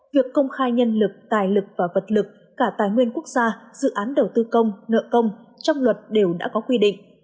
việc công khai nhân lực tài lực và vật lực cả tài nguyên quốc gia dự án đầu tư công nợ công trong luật đều đã có quy định